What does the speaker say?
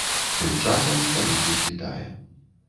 Тым часам у сталіцы світае.